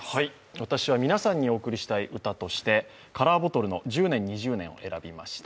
私は皆さんにお贈りしたい歌としてカラーボトルの「１０年２０年」を選びました。